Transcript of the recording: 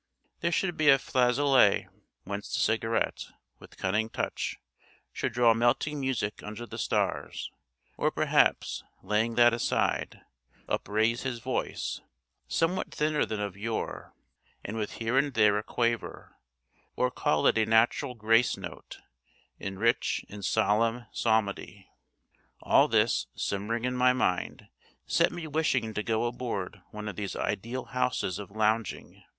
There should be a flageolet, whence the Cigarette, with cunning touch, should draw melting music under the stars; or perhaps, laying that aside, upraise his voice—somewhat thinner than of yore, and with here and there a quaver, or call it a natural grace note—in rich and solemn psalmody. All this, simmering in my mind, set me wishing to go aboard one of these ideal houses of lounging.